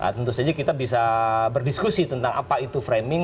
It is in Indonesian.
tentu saja kita bisa berdiskusi tentang apa itu framing